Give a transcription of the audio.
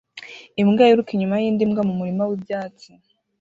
Imbwa yiruka inyuma yindi mbwa mumurima wibyatsi